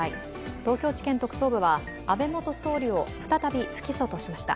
東京地検特捜部は安倍元総理を再び不起訴としました。